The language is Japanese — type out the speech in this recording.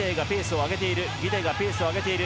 ギデイがペースを上げている。